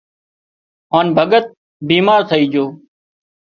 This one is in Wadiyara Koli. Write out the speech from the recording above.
هانَ ڀڳت بيمار ٿئي جھو